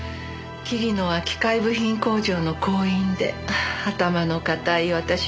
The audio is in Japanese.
桐野は機械部品工場の工員で頭の固い私の両親は。